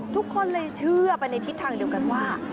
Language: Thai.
ทุกคนเลยเชื่อไปในทิศทางเดียวกันว่า